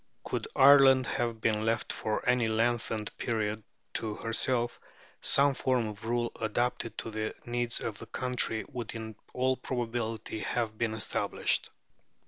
Could Ireland have been left for any lengthened period to herself, some form of rule adapted to the needs of the country would in all probability have been established.